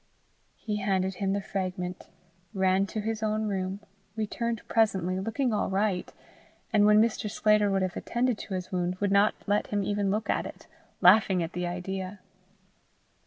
_ He handed him the fragment, ran to his own room, returned presently, looking all right, and when Mr. Sclater would have attended to his wound, would not let him even look at it, laughing at the idea.